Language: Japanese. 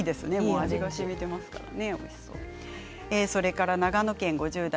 味がしみていますからね。